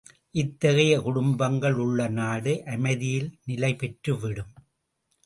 இத்தகைய குடும்பங்கள் உள்ள நாடு அமைதியில் நிலைபெற்று விடும்.